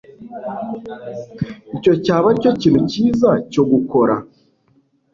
Icyo cyaba aricyo kintu cyiza cyo gukora